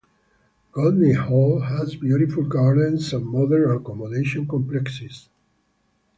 Goldney Hall has beautiful gardens and modern accommodation complexes.